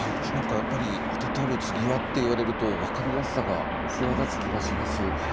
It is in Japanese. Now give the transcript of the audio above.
やっぱり「当てたる継は」って言われると分かりやすさが際立つ気がします。